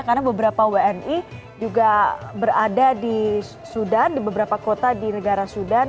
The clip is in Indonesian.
karena beberapa wni juga berada di sudan di beberapa kota di negara sudan